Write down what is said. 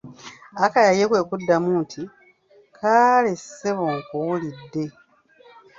Akaya ye kwe kuddamu nti:"kaale ssebo nkuwulidde"